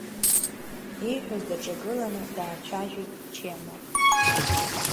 Ииҳәоз даҿагыланы даацәажәеит Чемо.